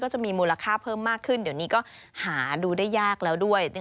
จะมีมูลค่าเพิ่มมากขึ้นเดี๋ยวนี้ก็หาดูได้ยากแล้วด้วย